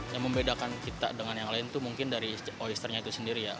yang membedakan kita dengan yang lain itu mungkin dari oisternya itu sendiri ya